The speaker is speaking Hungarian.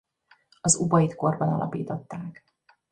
Az Ubaid-korban alapították.